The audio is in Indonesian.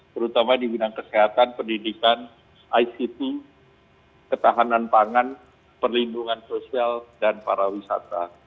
terutama di bidang kesehatan pendidikan ict ketahanan pangan perlindungan sosial dan pariwisata